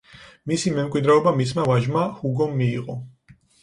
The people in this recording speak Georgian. მისი მემკვიდრეობა მისმა ვაჟმა, ჰუგომ მიიღო.